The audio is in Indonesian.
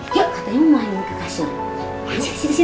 ya katanya mau main ke kasur